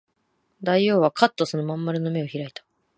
大王はかっとその真ん丸の眼を開いた